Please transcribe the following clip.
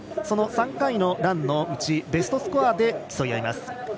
その３回のランのうちベストスコアで競い合います。